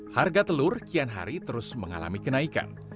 harga telur kian hari terus mengalami kenaikan